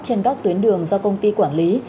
trên các tuyến đường do công ty quản lý